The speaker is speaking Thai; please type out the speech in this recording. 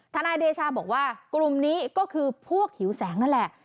นายเดชาบอกว่ากลุ่มนี้ก็คือพวกหิวแสงนั่นแหละ